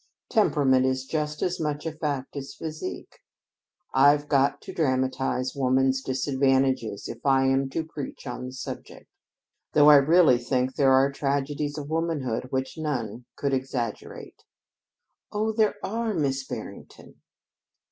Temperament is just as much a fact as physique. I've got to dramatize woman's disadvantages if I am to preach on the subject. Though I really think there are tragedies of womanhood which none could exaggerate." "Oh, there are, there are, Miss Barrington."